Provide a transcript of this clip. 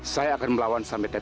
saya akan melawan sampai